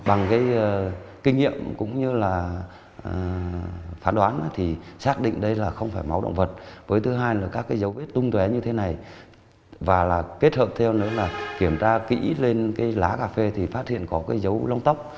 bằng cái kinh nghiệm cũng như là phán đoán thì xác định đây là không phải máu động vật với thứ hai là các cái dấu vết lung tuế như thế này và là kết hợp theo nữa là kiểm tra kỹ lên cái lá cà phê thì phát hiện có cái dấu lông tóc